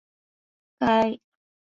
该导弹配备了导引头。